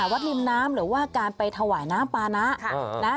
วัดริมน้ำหรือว่าการไปถวายน้ำปานะ